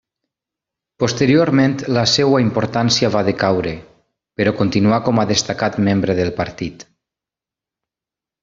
Posteriorment la seva importància va decaure, però continuà com a destacat membre del partit.